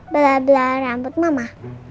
belah belah rambut mama